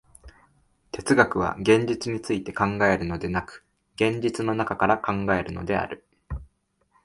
哲学は現実について考えるのでなく、現実の中から考えるのである。